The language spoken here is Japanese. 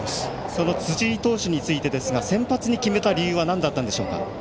その辻井投手についてですが先発に決めた理由はなんだったんでしょうか。